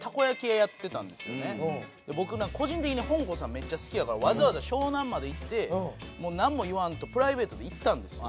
めっちゃ好きやからわざわざ湘南まで行ってなんも言わんとプライベートで行ったんですよ。